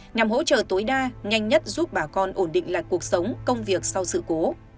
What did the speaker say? nhằm hỗ trợ tối đa nhanh nhất giúp bà con ổn định lại cuộc sống công việc sau sự cố